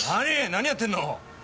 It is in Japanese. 何やってんの？